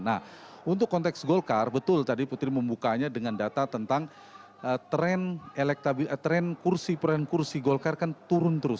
nah untuk konteks golkar betul tadi putri membukanya dengan data tentang tren kursi golkar kan turun terus